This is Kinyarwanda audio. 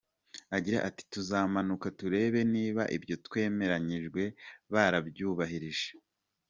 Agira ati “Tuzamanuka turebe niba ibyo twemeranyijwe barabyubahirije.